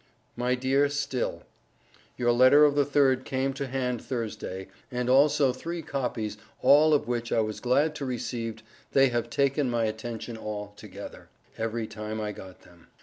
MY DEAR STILL: Your letter of the 3th came to hand thursday and also three copes all of which I was glad to Received they have taken my attention all together Every Time I got them.